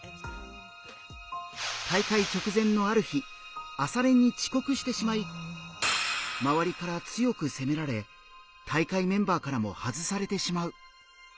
大会直前のある日朝練に遅刻してしまいまわりから強く責められ大会メンバーからも外されてしまう。